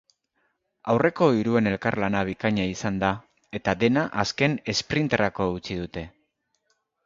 Aurreko hiruen elkarlana bikaina izan da eta dena azken esprinterako utzi dute.